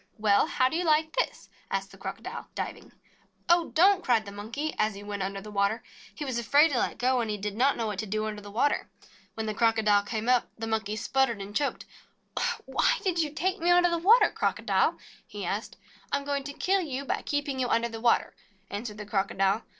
Well, how do you like this?" asked the Crocodile, diving. "Oh, don't!" cried the Monkey, as he went under the water. He was afraid to let go, and he did not know what to do under the water. When the Crocodile came up, the Monkey sputtered 4 THE MONKEY AND THE CROCODILE and choked. "Why did you take me under water, Crocodile ?" he asked. "I am going to kill you by keeping you under water," answered the Crocodile.